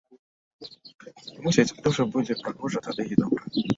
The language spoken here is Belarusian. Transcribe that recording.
Мусіць, дужа будзе прыгожа тады і добра.